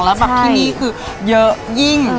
แล้วแบบที่นี่คือเยอะยิ่ง